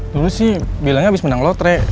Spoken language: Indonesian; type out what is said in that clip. dulu sih bilangnya abis menang lotre